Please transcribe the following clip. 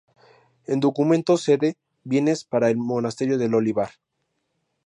En documento cede bienes para el Monasterio del Olivar.